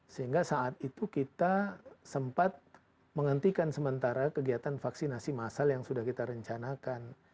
sehingga saat itu kita sempat menghentikan sementara kegiatan vaksinasi massal yang sudah kita rencanakan